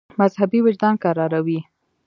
مذهبي وجدان کراروي.